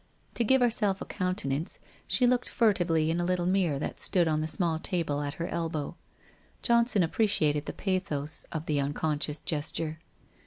To give herself a countenance, she looked furtively in a little mirror that stood on the small table at her elbow. John son appreciated the pathos of the unconscious gesture.